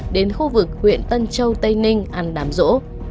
đến khu vực huyện tân châu tây ninh ăn đảm rỗ